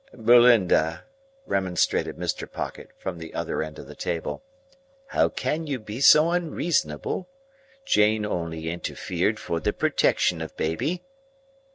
"Belinda," remonstrated Mr. Pocket, from the other end of the table, "how can you be so unreasonable? Jane only interfered for the protection of baby."